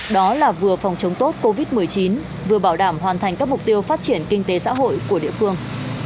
đó là vừa phòng chống tốt covid một mươi chín vừa bảo đảm hoàn thành các mục tiêu phát triển kinh tế xã hội của địa phương